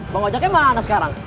bang ojaknya mana sekarang